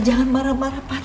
jangan marah marah pak